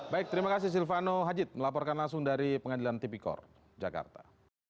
baik terima kasih silvano hajid melaporkan langsung dari pengadilan tipikor jakarta